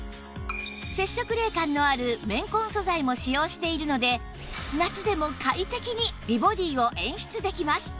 接触冷感のある綿混素材も使用しているので夏でも快適に美ボディーを演出できます